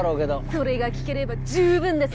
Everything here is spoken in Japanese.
それが聞ければ十分です。